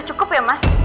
udah cukup ya mas